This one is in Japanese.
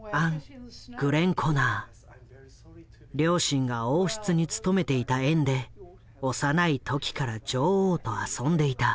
両親が王室に勤めていた縁で幼い時から女王と遊んでいた。